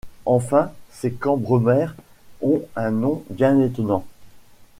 Enfin ces Cambremer ont un nom bien étonnant.